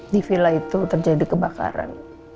di villa itu terjadi kebakaran